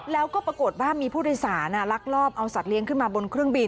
แล้วก็ปรากฏว่ามีผู้โดยสารลักลอบเอาสัตเลี้ยงขึ้นมาบนเครื่องบิน